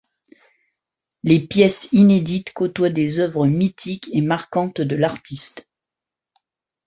Les pièces inédites côtoient des œuvres mythiques et marquantes de l'artiste.